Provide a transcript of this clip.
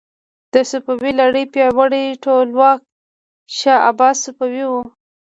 د صفوي لړۍ پیاوړی ټولواک شاه عباس صفوي و.